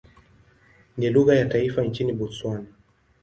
Ni lugha ya taifa nchini Botswana.